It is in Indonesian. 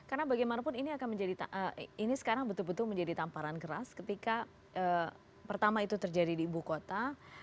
karena bagaimanapun ini akan menjadi ini sekarang betul betul menjadi tamparan keras ketika pertama itu terjadi di ibu kota